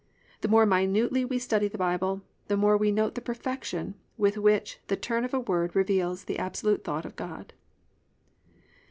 The more minutely we study the Bible the more we note the perfection with which the turn of a word reveals the absolute thought of God.